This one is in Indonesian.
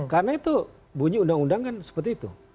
karena itu bunyi undang undang kan seperti itu